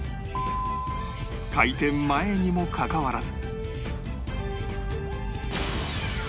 開店前にもかかわらず